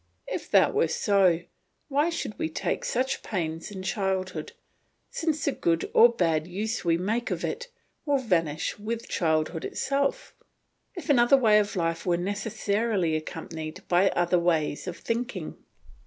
If that were so, why should we take such pains in childhood, since the good or bad use we make of it will vanish with childhood itself; if another way of life were necessarily accompanied by other ways of thinking?